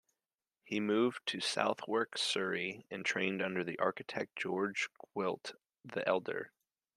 He moved to Southwark, Surrey and trained under the architect George Gwilt the elder.